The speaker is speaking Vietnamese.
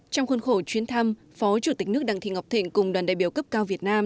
trong khuôn khổ chuyến thăm phó chủ tịch nước đặng thị ngọc thịnh cùng đoàn đại biểu cấp cao việt nam